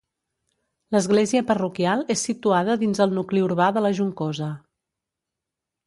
L'església parroquial és situada dins el nucli urbà de la Juncosa.